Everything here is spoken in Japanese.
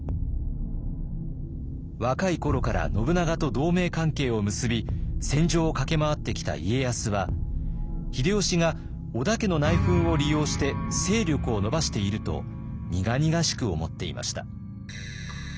若い頃から信長と同盟関係を結び戦場を駆け回ってきた家康は秀吉が織田家の内紛を利用して勢力を伸ばしていると苦々しく思っていました。